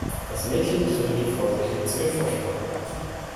Das Mädchen trippelte vorsichtig zu dem Vorsprung.